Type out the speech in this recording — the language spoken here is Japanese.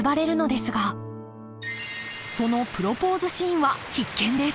そのプロポーズシーンは必見です！